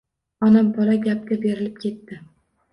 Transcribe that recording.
Ona-bola gapga berilib ketdi.